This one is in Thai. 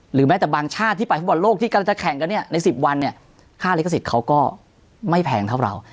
แม้แต่บางชาติที่ไปฟุตบอลโลกที่กำลังจะแข่งกันเนี่ยใน๑๐วันเนี่ยค่าลิขสิทธิ์เขาก็ไม่แพงเท่าเรา